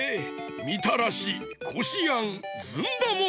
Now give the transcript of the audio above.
みたらしこしあんずんだもあるぞ。